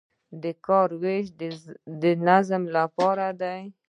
د کار ویش د نظم لپاره دی